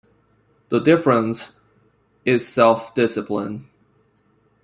The difference...is self-discipline.